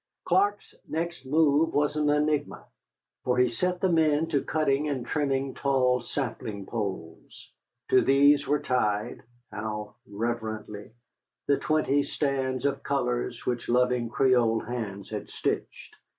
Clark's next move was an enigma, for he set the men to cutting and trimming tall sapling poles. To these were tied (how reverently!) the twenty stands of colors which loving Creole hands had stitched.